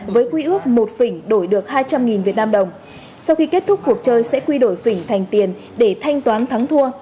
với quy ước một phỉnh đổi được hai trăm linh vnđ sau khi kết thúc cuộc chơi sẽ quy đổi phỉnh thành tiền để thanh toán thắng thua